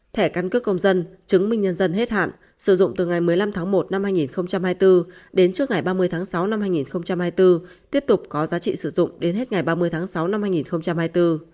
thẻ căn cước công dân chứng minh nhân dân hết hạn sử dụng từ ngày một mươi năm một hai nghìn hai mươi bốn đến trước ngày ba mươi sáu hai nghìn hai mươi bốn tiếp tục có giá trị sử dụng đến hết ngày ba mươi sáu hai nghìn hai mươi bốn